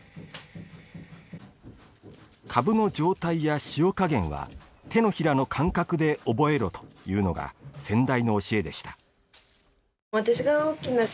かぶの状態や塩加減は手のひらの感覚で覚えろというのが、先代の教えでした。